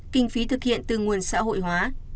kinh phí thực hiện từ nguồn xã hội hóa